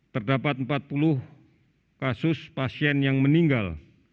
terdapat empat puluh kasus pasien yang meninggal